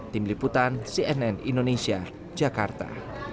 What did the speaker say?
tim liputan cnn indonesia jakarta